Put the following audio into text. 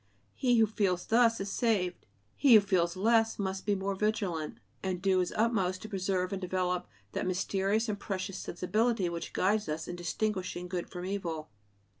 He who feels thus is "saved"; he who feels less must be more vigilant, and do his utmost to preserve and develop that mysterious and precious sensibility which guides us in distinguishing good from evil.